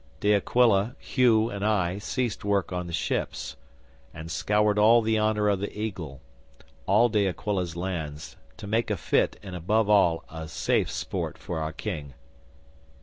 De Aquila, Hugh, and I ceased work on the ships, and scoured all the Honour of the Eagle all De Aquila's lands to make a fit, and, above all, a safe sport for our King.